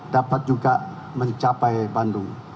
dapat juga mencapai bandung